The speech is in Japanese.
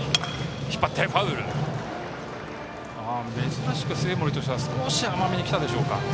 珍しく生盛としては少し甘めにきたでしょうか。